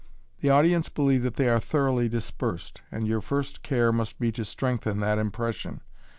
The audience believe that they are thoroughly dispersed, and your first care must be to strengthen that impression.